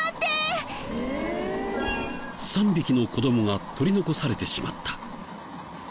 ３匹の子どもが取り残されてしまった。